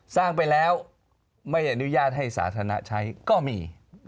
สร้างไปแล้วไม่อนุญาตให้สาธารณะใช้ก็มี